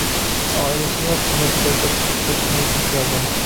ئائىلىسىنى، خىزمەتنى تاشلاپ چىقىپ كېتىش نىيىتىگە كەلدى.